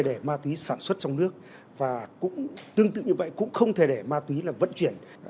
rồi xuất đi nước thứ ba bằng đường biển